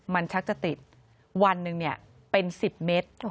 มันชักจะติดวันหนึ่งเป็น๑๐เมตร